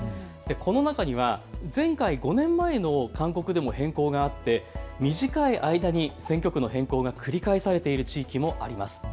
この中には前回、５年前の勧告でも変更があって短い間に選挙区の変更が繰り返されている地域もあります。